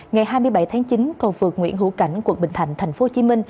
ngày hai mươi bảy tháng chín cầu vực nguyễn hữu cảnh quận bình thành tp hcm